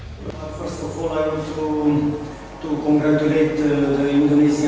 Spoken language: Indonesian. pertama tama saya ingin mengucapkan selamat datang kepada orang indonesia